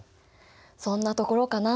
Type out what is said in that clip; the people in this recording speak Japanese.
そんなところかな。